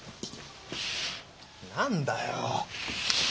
何だよ。